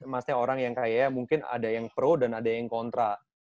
maksudnya orang yang kaya mungkin ada yang pro dan ada yang kontra